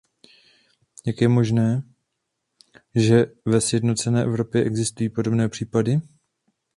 Jak je možné, že ve sjednocené Evropě existují podobné případy?